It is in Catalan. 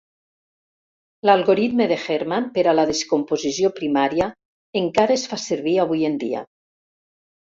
L'algoritme de Hermann per a la descomposició primària encara es fa servir avui en dia.